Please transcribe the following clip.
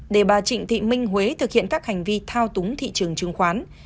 để bà trịnh thị minh huế thực hiện các hành vi thao túng thị trường chứng khoán